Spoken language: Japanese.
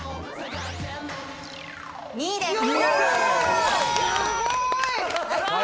２位です。